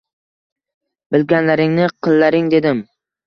Bilganlaringni qillaring dedim.